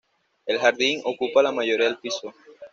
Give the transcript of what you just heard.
El jardín ocupa la mayoría del piso.